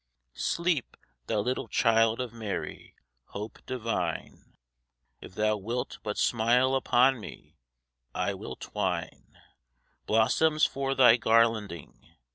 Sleep, Thou little Child of Mary, Hope divine. If Thou wilt but smile upon me, I will twine Blossoms for Thy garlanding.